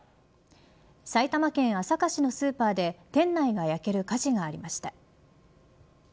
埼玉県朝霞市のスーパーで店内が焼ける火事がありました。